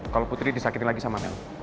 kalau putri disakiti lagi sama mel